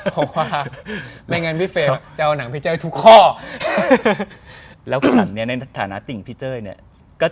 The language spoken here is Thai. ก็คงว่าในนั่งพี่เฟทจะเอาหนังพี่เจ้ยทุกข้อ